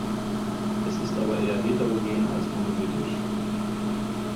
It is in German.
Es ist aber eher heterogen als monolithisch.